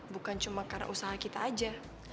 bukan cuma karena usaha kita aja